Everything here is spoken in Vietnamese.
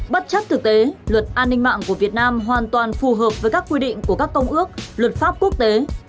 bất chấp thực tế luật an ninh mạng của việt nam hoàn toàn phù hợp với các quy định của các công ước luật pháp quốc tế